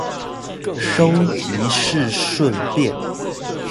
收集是順便